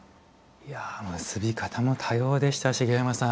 いや結び方も多様でした茂山さん。